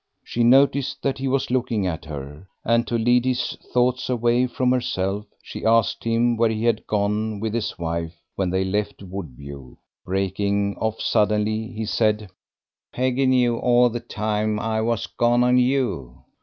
She noticed that he was looking at her, and to lead his thoughts away from herself she asked him where he had gone with his wife when they left Woodview. Breaking off suddenly, he said "Peggy knew all the time I was gone on you."